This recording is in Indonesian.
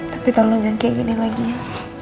tapi tolong jangan kaya gini lagi ya